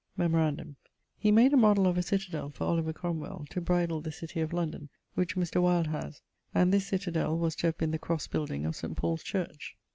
Memorandum: he made a modell of citadell for Oliver Cromwell, to bridle the city of London, which Mr. Wyld has; and this citadell was to have been the crosse building of St. Paule's church.